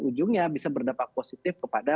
ujungnya bisa berdampak positif kepada